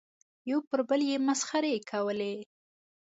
یو پر بل یې مسخرې کولې.